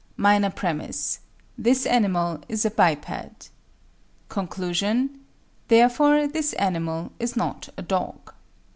MINOR PREMISE: This animal is a biped. CONCLUSION: Therefore this animal is not a dog.